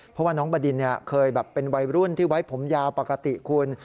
เพราะว่าน้องบดินเคยแบบเป็นวัยรุ่นที่ไว้ผมยาวปกติคุณ